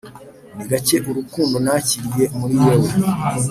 ni gake urukundo nakiriye muri wewe,